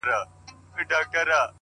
ارمانه اوس درنه ښكلا وړي څوك،